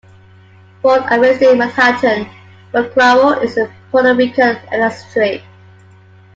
Born and raised in Manhattan, Baquero is of Puerto Rican ancestry.